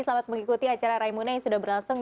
selamat mengikuti acara raimuna yang sudah berlangsung